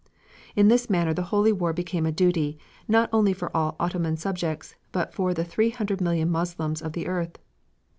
In this manner the holy war became a duty, not only for all Ottoman subjects, but for the three hundred million Moslems of the earth.